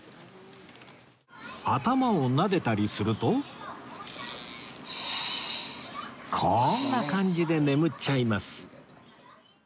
頭をなでたりするとこんな感じで眠っちゃいます